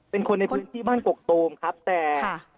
เป็นคนในพื้นที่บ้านกกตูมครับแต่